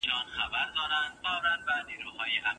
اوس دا ساعت موزيم ته يوسه.